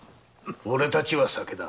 俺たちは酒だ。